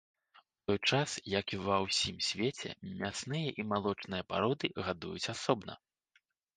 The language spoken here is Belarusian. У той час як ва ўсім свеце мясныя і малочныя пароды гадуюць асобна.